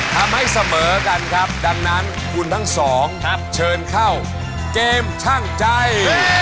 ทำให้เสมอกันครับดังนั้นคุณทั้งสองเชิญเข้าเกมช่างใจ